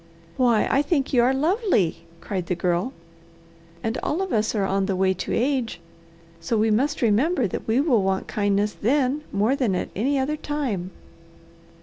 "Why I think you are lovely!" cried the Girl. "And all of us are on the way to age, so we must remember that we will want kindness then more than at any other time.